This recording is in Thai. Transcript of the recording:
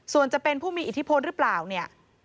ส่วนจะเป็นผู้มีอิทธิพลหรือเปล่าเนี่ย